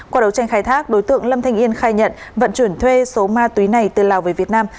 qua đấu tranh khai thác đối tượng lâm thanh yên khai nhận vận chuyển thuê số ma túy này từ lào về việt nam